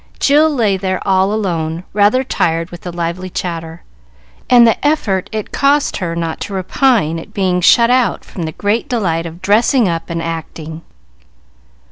Jill lay there all alone, rather tired with the lively chatter, and the effort it cost her not to repine at being shut out from the great delight of dressing up and acting.